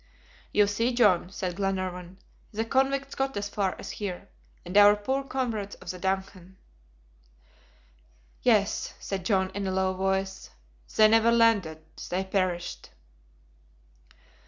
"You see, John," said Glenarvan, "the convicts got as far as here! and our poor comrades of the DUNCAN " "Yes," said John, in a low voice, "they never landed, they perished!"